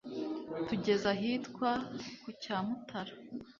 Tugeza ahitwa ku cya Mutara